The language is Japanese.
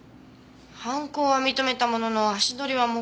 犯行は認めたものの足取りは黙秘。